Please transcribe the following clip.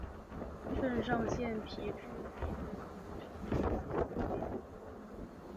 肾上腺皮质是沿肾上腺周围的部分。